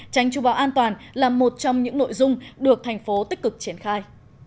tránh chú bão an toàn là một trong những nội dung được thành phố tích cực triển khai